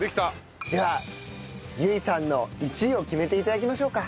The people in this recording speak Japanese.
では唯さんの１位を決めて頂きましょうか。